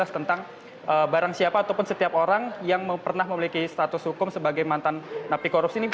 tentang barang siapa ataupun setiap orang yang pernah memiliki status hukum sebagai mantan napi korupsi ini